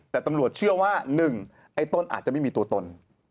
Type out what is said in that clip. แต่ตำรวจเชื่อว่า๑ไอ้ต้นอาจจะไม่มีตัวตน